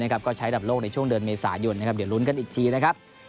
ก็ใช้ระดับโลกในช่วงเดือนเมษายนเดี๋ยวลุ้นกันอีกทีนะครับ